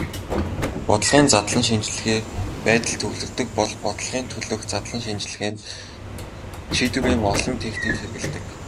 Бодлогын задлан шинжилгээ байдалд төвлөрдөг бол бодлогын төлөөх задлан шинжилгээнд шийдвэрийн олон техникийг хэрэглэдэг.